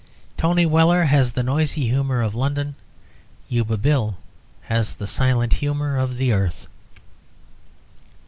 Tony Weller has the noisy humour of London, Yuba Bill has the silent humour of the earth.